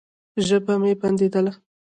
ژبه مې بنديدله.